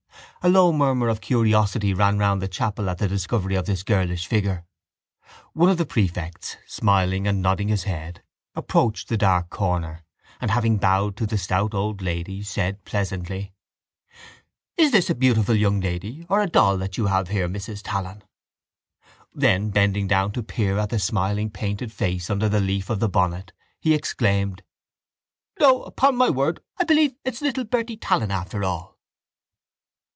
A low murmur of curiosity ran round the chapel at the discovery of this girlish figure. One of the prefects, smiling and nodding his head, approached the dark corner and, having bowed to the stout old lady, said pleasantly: —Is this a beautiful young lady or a doll that you have here, Mrs Tallon? Then, bending down to peer at the smiling painted face under the leaf of the bonnet, he exclaimed: —No! Upon my word I believe it's little Bertie Tallon after all!